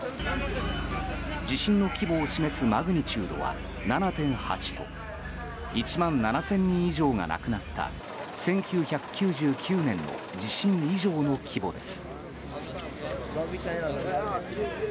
地震の規模を示すマグニチュードは７．８と１万７０００人以上が亡くなった１９９９年の地震以上の規模です。